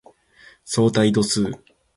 相対度数